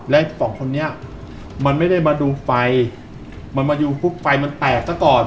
และสองคนนี้มันไม่ได้มาดูไฟมันมาดูปุ๊บไฟมันแตกซะก่อน